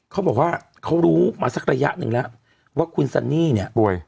เขาบอกว่าเขารู้มาสักระยะหนึ่งแล้วว่าคุณซันนี่เนี่ยป่วย